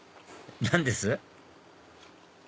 何です？